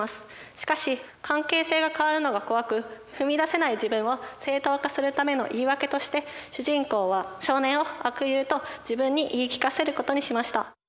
しかし関係性が変わるのが怖く踏み出せない自分を正当化するための言い訳として主人公は少年を「悪友」と自分に言い聞かせることにしました。